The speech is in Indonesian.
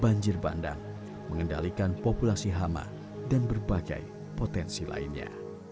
banjir bandang mengendalikan populasi hama dan berbagai potensi lainnya